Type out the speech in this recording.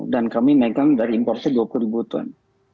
dan kami megang dari impornya dua puluh ribu ton